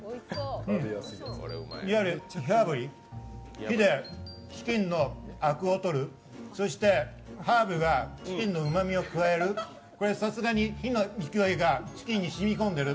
いわゆる火あぶり火でチキンのあくをとるそしてハーブがチキンのうまみを加える、これ、さすがに火の勢いがチキンに染み込んでる。